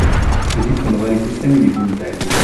Esistono vari sistemi di punteggio.